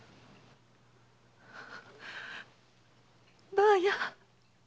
ばあや。